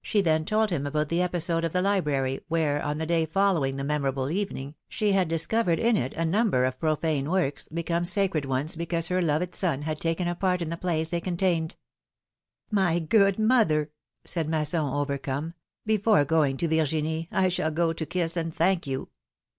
She then told him about the episode of the library, philomMe^s marriages. 283 where, on the day following the memorable evening, she had discovered in it a number of profane works, become sacred ones because her loved son had taken a part in the plays they contained ! My good mother ! said Masson, overcome ; before going to Virginie, I shall go to kiss and thank you.